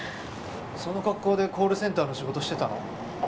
その格好でコールセンターの仕事してたの？